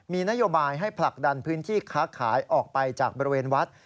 มีนโยบายให้ผลักดันพื้นที่ค้าขายออกไปจากบริเวณวัด